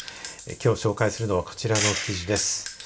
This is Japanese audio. きょう紹介するのは、こちらの記事です。